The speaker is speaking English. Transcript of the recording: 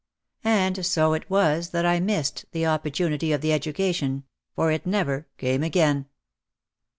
And so it was that I missed the opportunity of the education, for it never came again.